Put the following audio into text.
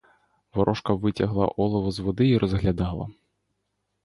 Ворожка витягла олово з води й розглядала.